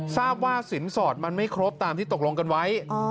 ทราบว่าสินสอดมันไม่ครบตามที่ตกลงกันไว้